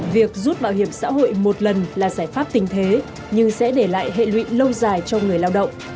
việc rút bảo hiểm xã hội một lần là giải pháp tình thế nhưng sẽ để lại hệ lụy lâu dài cho người lao động